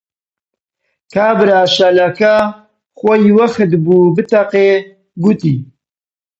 کابرا شەلە کە خۆی وەخت بوو بتەقێ، گوتی: